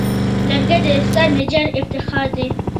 لرګی د استاد نجار افتخار دی.